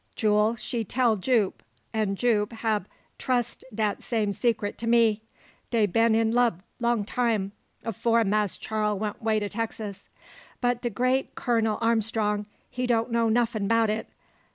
Jule, she tell Jupe; and Jupe hab trussed dat same seecret to me. Dey been in lub long time; afore Mass Charl went 'way to Texas. But de great Kurnel Armstrong, he don't know nuffin' 'bout it.